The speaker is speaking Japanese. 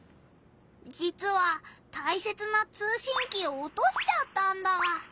じつはたいせつな通しんきをおとしちゃったんだ。